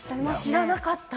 知らなかった！